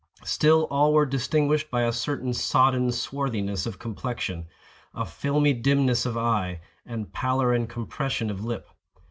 Still all were distinguished by a certain sodden swarthiness of complexion, a filmy dimness of eye, and pallor and compression of lip.